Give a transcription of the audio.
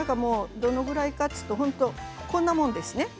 どのぐらいかというとこんなもんですね。